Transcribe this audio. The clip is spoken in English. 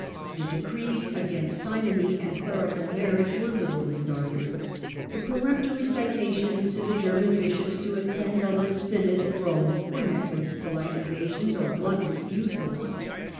The decrees against simony and clerical marriage were little regarded ; the peremptory citations to the German bishops to attend the Lent synod at Rome were met with polite evasions or blunt refusals.